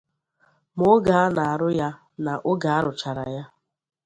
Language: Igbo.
ma oge a na-arụ ya na oge a rụchara ya